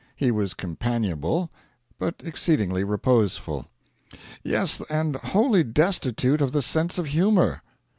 He was companionable, but exceedingly reposeful. Yes, and wholly destitute of the sense of humour.